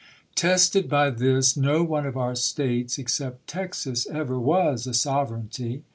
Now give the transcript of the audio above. Tested by this, no one of our States, except Texas, ever was a sovereignty.